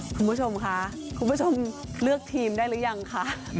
คุณผู้ชมค่ะคุณผู้ชมเลือกทีมได้หรือยังคะ